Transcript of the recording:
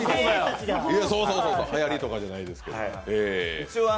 はやりとかじゃないですから。